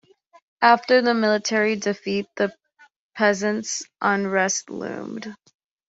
After their military defeat, the peasants unrest loomed.